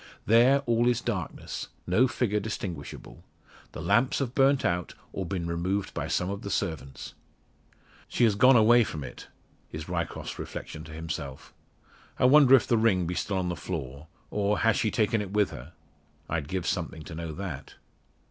There all is darkness; no figure distinguishable. The lamps have burnt out, or been removed by some of the servants. "She has gone away from it," is Ryecroft's reflection to himself. "I wonder if the ring be still on the floor or, has she taken it with her! I'd give something to know that."